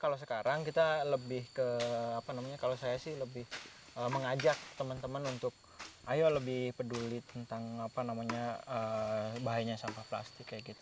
kalau sekarang kita lebih ke apa namanya kalau saya sih lebih mengajak teman teman untuk ayo lebih peduli tentang bahaya sampah plastik kayak gitu